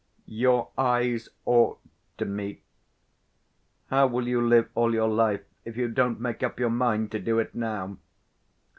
"Your eyes ought to meet. How will you live all your life, if you don't make up your mind to do it now?"